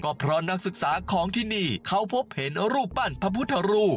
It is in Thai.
ก็เพราะนักศึกษาของที่นี่เขาพบเห็นรูปปั้นพระพุทธรูป